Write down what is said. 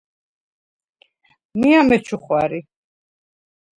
მი ამეჩუ ხვა̈რი.